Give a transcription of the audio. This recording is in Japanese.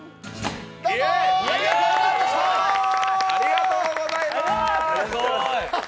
ありがとうございます。